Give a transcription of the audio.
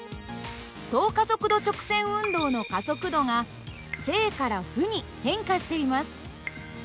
等加速度直線運動の加速度が正から負に変化しています。